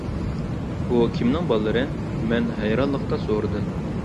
بۇ كىمنىڭ بالىلىرى؟ مەن ھەيرانلىقتا سورىدىم.